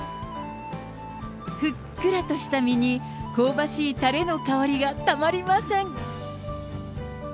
ふっくらとした身に、香ばしいたれの香りがたまりません。